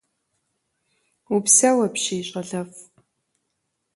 -Упсэу апщий, щӀэлэфӀ.